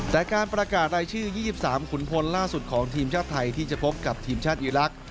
แต่การประกาศรายชื่อ๒๓ขุนพลล่าสุดของทีมชาติไทยที่จะพบกับทีมชาติอีลักษ์